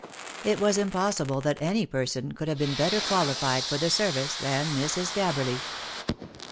It was impos sible that any person could have been better qualified for the service than Mrs. Gabberly.